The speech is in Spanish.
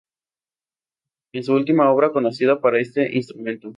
Es su única obra conocida para este instrumento.